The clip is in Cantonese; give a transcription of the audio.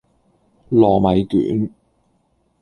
糯米卷